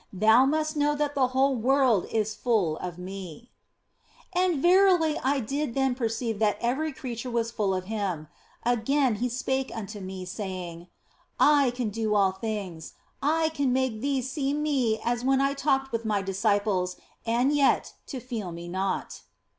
Thou must know that the whole world is full of Me." 198 THE BLESSED ANGELA And verily I did then perceive that every creature was full of Him. Again He spake unto me, saying, " I can do all things, I can make thee to see Me as when I talked with My disciples and yet to feel Me not."